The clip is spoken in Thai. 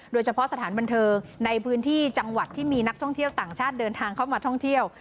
สถานบันเทิงในพื้นที่จังหวัดที่มีนักท่องเที่ยวต่างชาติเดินทางเข้ามาท่องเที่ยว